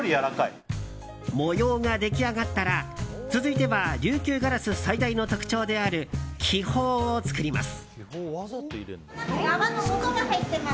模様が出来上がったら続いては琉球ガラス最大の特徴である気泡を作ります。